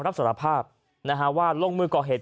รับสารภาพว่าลงมือก่อเหตุ